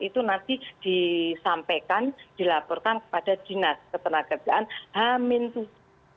itu nanti disampaikan dilaporkan kepada dinas ketenagakerjaan hamin tussu